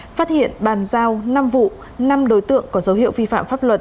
phát hiện bàn giao năm vụ năm đối tượng có dấu hiệu vi phạm pháp luật